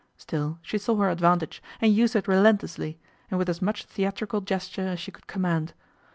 Still, she saw her advantage, and used it relentlessly, and with as much theatrical gesture as she could command.